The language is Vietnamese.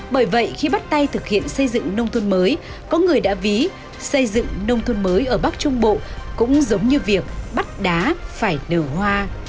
bởi vậy khi bắt tay thực hiện xây dựng nông thôn mới có người đã ví xây dựng nông thôn mới ở bắc trung bộ cũng giống như việc bắt đá phải nở hoa